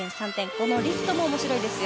このリフトも面白いですよ。